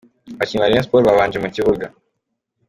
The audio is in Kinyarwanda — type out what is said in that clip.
Abakinnyi ba Rayon Sports babanje mu kibuga.